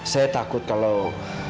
saya takut kalau